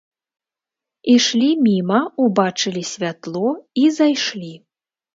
Ішлі міма, убачылі святло і зайшлі.